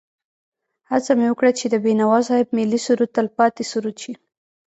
هڅه مې وکړه چې د بېنوا صاحب ملي سرود تل پاتې سرود شي.